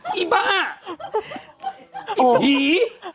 อีบ้าไอ้ผี